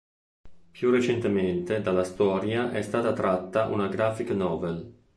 Più recentemente dalla storia è stata tratta una "graphic novel".